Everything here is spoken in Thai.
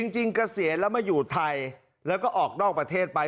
เกษียณแล้วมาอยู่ไทยแล้วก็ออกนอกประเทศไป